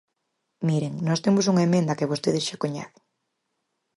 Miren, nós temos unha emenda que vostedes xa coñecen.